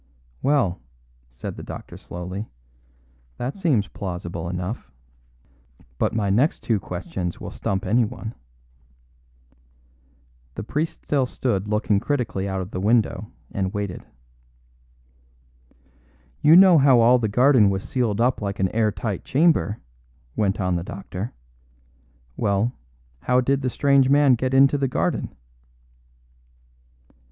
"Well," said the doctor slowly, "that seems plausible enough. But my next two questions will stump anyone." The priest still stood looking critically out of the window and waited. "You know how all the garden was sealed up like an air tight chamber," went on the doctor. "Well, how did the strange man get into the garden?"